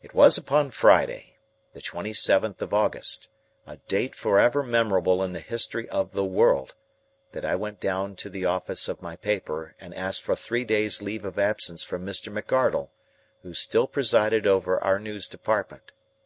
It was upon Friday, the twenty seventh of August a date forever memorable in the history of the world that I went down to the office of my paper and asked for three days' leave of absence from Mr. McArdle, who still presided over our news department.